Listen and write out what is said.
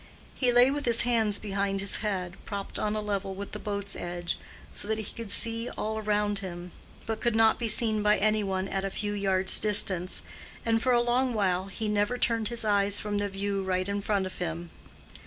He lay with his hands behind his head, propped on a level with the boat's edge, so that he could see all round him, but could not be seen by any one at a few yards' distance; and for a long while he never turned his eyes from the view right in front of him.